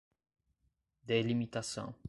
delimitação